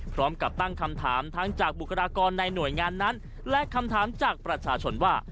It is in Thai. พร้อมกับตั้งคำถามทั้งจากบุคลากรในหน่วยงานนั้นและคำถามจากประชาชนว่า